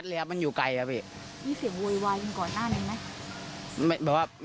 กับคุณเนติชา